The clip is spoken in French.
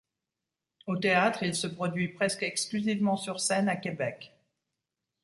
Au théâtre, il se produit presque exclusivement sur scène à Québec.